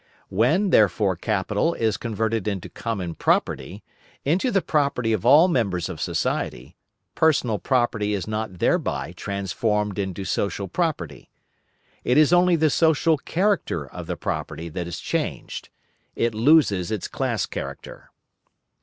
When, therefore, capital is converted into common property, into the property of all members of society, personal property is not thereby transformed into social property. It is only the social character of the property that is changed. It loses its class character.